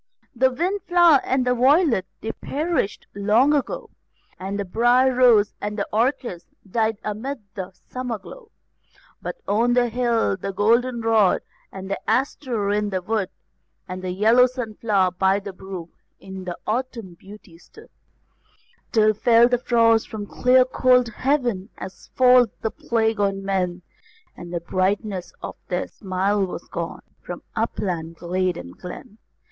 The wind flower and the violet, they perished long ago, And the brier rose and the orchis died amid the summer glow; But on the hill the goldenrod, and the aster in the wood, And the yellow sunflower by the brook in autumn beauty stood, Till fell the frost from the clear cold heaven, as falls the plague on men, And the brightness of their smile was gone, from upland, glade, and glen.